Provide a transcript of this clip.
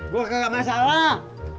gue kagak masalah